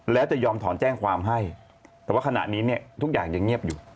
แล้วจะยอมถอนแจ้งความให้แต่ว่าขณะนี้เนี่ยทุกอย่างยังเงียบอยู่